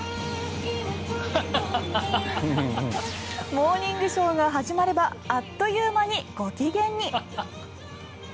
「モーニングショー」が始まればあっという間にご機嫌に。